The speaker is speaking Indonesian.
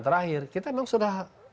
terakhir kita memang sudah